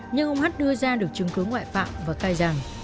nhưng ông hắt đưa ra được chứng cứ ngoại phạm và cai giang